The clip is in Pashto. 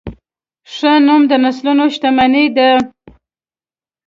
ښه نوم د نسلونو شتمني ده.